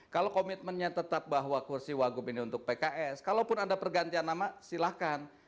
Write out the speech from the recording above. kalau komitmennya tetap bahwa kursi wagub ini untuk pks kalaupun ada pergantian nama silahkan